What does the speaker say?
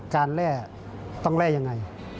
การแร่ต้องแร่อย่างไร